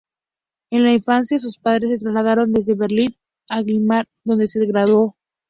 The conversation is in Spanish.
En la infancia sus padres se trasladaron desde Berlín a Weimar, donde se graduó.